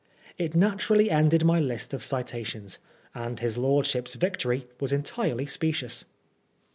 It naturally ended my list of citations, and his lordship's victory was entirely specious.